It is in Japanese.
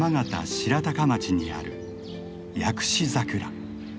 白鷹町にある薬師桜。